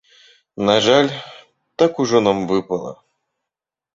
На жаль, так ужо нам выпала.